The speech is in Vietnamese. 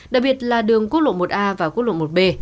đặc biệt là đường quốc lộ một a và quốc lộ một b